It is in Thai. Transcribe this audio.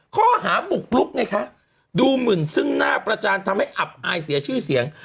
ข้อหาบุกลุกไงคะดูหมินซึ่งหน้าประจานทำให้อับอายเสียชื่อเสียง